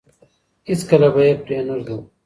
هېڅکله به يې پرې نه ږدو.